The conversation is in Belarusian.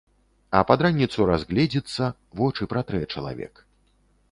А пад раніцу разгледзіцца, вочы пратрэ чалавек.